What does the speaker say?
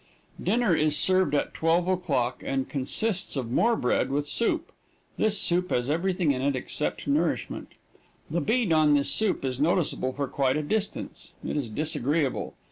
Dinner is served at 12 o'clock, and consists of more bread with soup. This soup has everything in it except nourishment. The bead on this soup is noticeable for quite a distance. It is disagreeable.